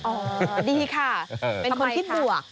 ดีค่ะเป็นคนคิดบวก